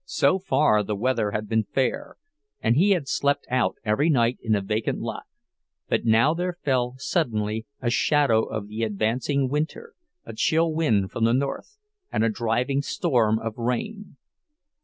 So far the weather had been fair, and he had slept out every night in a vacant lot; but now there fell suddenly a shadow of the advancing winter, a chill wind from the north and a driving storm of rain.